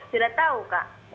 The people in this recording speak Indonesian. tidak tahu kak